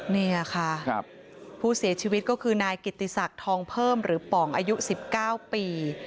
นี่ค่ะผู้เสียชีวิตก็คือนายกิติศักดิ์ทองเพิ่มหรือป๋องอายุ๑๙ปี